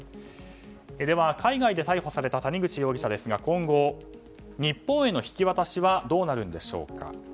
では、海外で逮捕された谷口容疑者ですが今後、日本への引き渡しはどうなるんでしょうか。